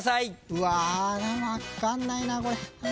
分かんないなこれ。